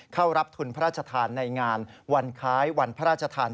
เข้ารับทุนพระราชทานในงานวันคล้ายวันพระราชทาน